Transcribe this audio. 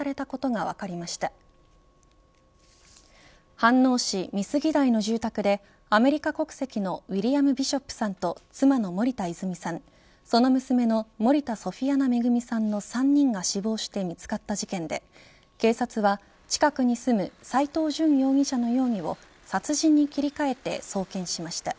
飯能市美杉台の住宅でアメリカ国籍のウィリアム・ビショップさんと妻の森田泉さんはその娘の森田ソフィアナ恵さんの３人が死亡して見付かった事件で警察は、近くに住む斎藤淳容疑者の容疑を殺人に切り替えて送検しました。